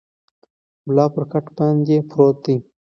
ملا پر کټ باندې پروت دی.